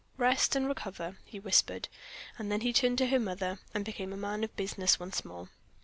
"Rest, and recover," he whispered. And then he turned to her mother and became a man of business once more.